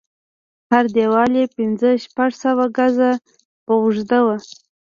هر دېوال يې پنځه شپږ سوه ګزه به اوږد و.